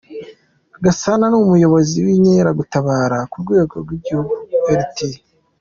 Gasana n’Umuyobozi w’Inkeragutabara ku rwego rw’igihugu, Lt.